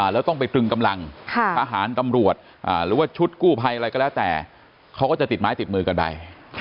แล้วต้องไปตรึงกำลังทหารตำรวจหรือว่าชุดกู้ภัยอะไรก็แล้วแต่เขาก็จะติดไม้ติดมือกันไป